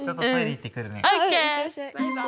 行ってらっしゃい。